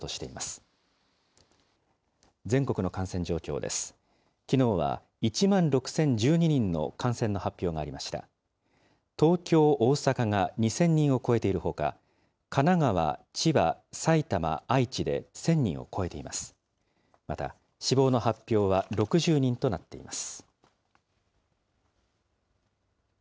また、死亡の発表は６０人となっています。